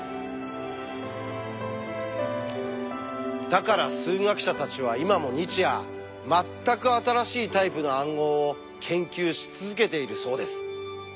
だから数学者たちは今も日夜全く新しいタイプの暗号を研究し続けているそうです。